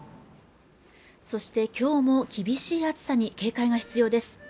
そして今日も厳しい暑さに警戒が必要です